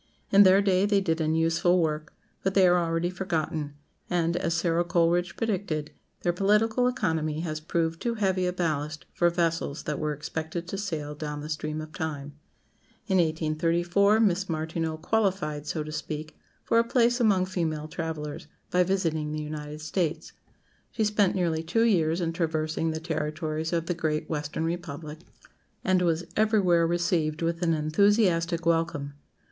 In their day they did an useful work, but they are already forgotten; and, as Sara Coleridge predicted, their political economy has proved too heavy a ballast for vessels that were expected to sail down the stream of time. In 1834 Miss Martineau "qualified," so to speak, for a place among female travellers, by visiting the United States. She spent nearly two years in traversing the territories of the Great Western Republic, and was everywhere received with an enthusiastic welcome.